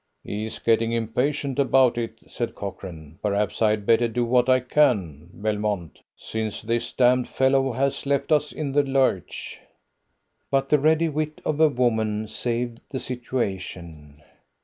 "He's getting impatient about it," said Cochrane. "Perhaps I had better do what I can, Belmont, since this damned fellow has left us in the lurch." But the ready wit of a woman saved the situation.